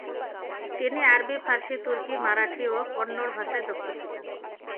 তিনি আরবি, ফার্সি, তুর্কি, মারাঠি ও কন্নড় ভাষায় দক্ষ ছিলেন।